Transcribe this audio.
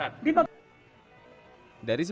ada yang luka berat